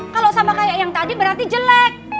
kalau sama kayak yang tadi berarti jelek